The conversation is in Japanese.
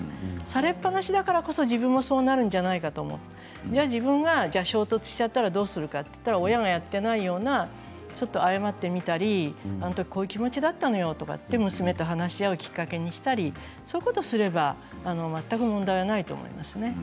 されっぱなしだからこそ自分もそうなるんじゃないかとじゃあ自分が衝突しちゃったらどうするかといったら親がやっていないようなちょっと謝ってみたりあの時こういう気持ちだったのよと娘と話し合うきっかけにしたりそういうことをすれば全く問題はないと思いますね。